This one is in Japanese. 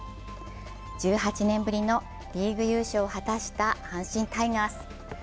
１８年ぶりのリーグ優勝を果たした阪神タイガース。